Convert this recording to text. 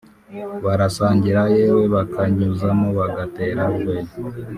barasangira yewe bakanyuzamo bagatera urwenya